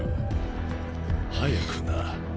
早くな。